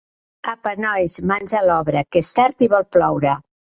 Apa, nois, mans a l'obra, que és tard i vol ploure!